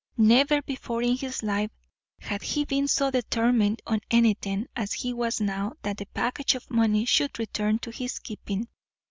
Never before in his life had he been so determined on anything as he was now that the package of money should return to his keeping.